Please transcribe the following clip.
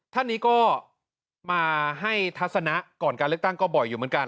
ท่านนี้ก็มาให้ทัศนะก่อนการเลือกตั้งก็บ่อยอยู่เหมือนกัน